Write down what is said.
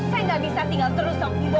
saya gak bisa tinggal terus sama ibu